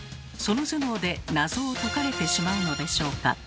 その頭脳で謎を解かれてしまうのでしょうか。